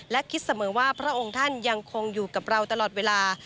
และคิดเสมอว่าพระองค์ท่านยังคงอยู่กับเราตลอดเวลา